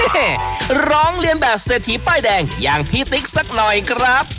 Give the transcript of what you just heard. ร้องเรียนแบบเศรษฐีป้ายแดงอย่างพี่ติ๊กสักหน่อยครับ